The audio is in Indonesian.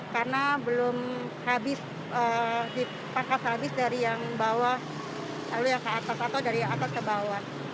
karena belum habis dipangkas habis dari yang bawah lalu yang ke atas atau dari atas ke bawah